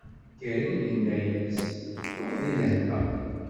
Karim yenna-as: Ṛuḥ di lehna.